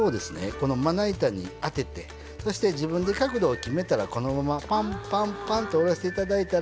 このまな板に当ててそして自分で角度を決めたらこのままパンパンパンと下ろしていただいたら。